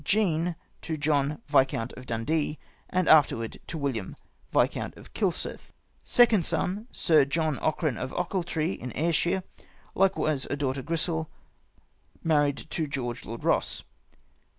Jean, to John Viscount of Dundee, and afterward to William Viscount of Kilsyth. " 2nd. son, Sir John Cochran of Ochilti'ee, in Air shire, Likewise a Daughter Grrisel, married to George Lord Eoss.